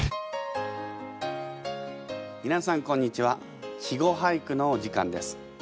みなさんこんにちは「稚語俳句」のお時間です。